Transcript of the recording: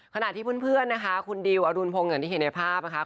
ขนาดที่พันนะคะคุณดิวอรุณผงแบบที่เห็นในภาพนะคะ